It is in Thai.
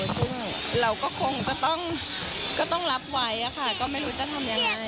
ซึ่งเราก็คงก็ต้องรับไว้ค่ะก็ไม่รู้จะทำยังไง